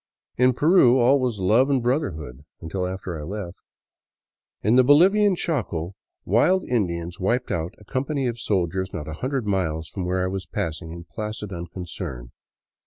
In Peru all was love and brotherhood — until after I left. In the Bolivian Chaco wild Indians wiped out a company of soldiers not a hundred miles from where I was passing in placid unconcern.